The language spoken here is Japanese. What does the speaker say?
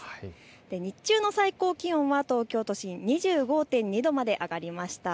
日中の最高気温は東京都心、２５．２度まで上がりました。